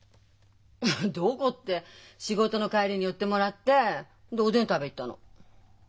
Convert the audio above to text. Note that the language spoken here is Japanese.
どこって仕事の帰りに寄ってもらっておでん食べに行ったの。